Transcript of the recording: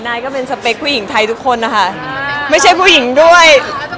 ก็เป็นสเปคผู้หญิงไทยทุกคนนะคะไม่ใช่ผู้หญิงด้วย